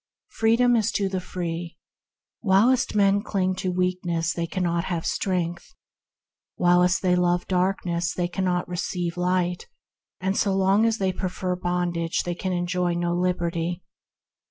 Freedom is to the free. While men cling to weakness they cannot have strength; while they love darkness they can receive no light; so long as they prefer bondage they can enjoy no liberty.